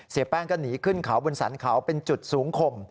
แป้งก็หนีขึ้นเขาบนสรรเขาเป็นจุดสูงคม